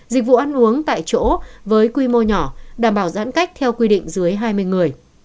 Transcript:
dịch vụ ăn uống tại chỗ với quy mô nhỏ đảm bảo giãn cách theo quy định dưới hai mươi người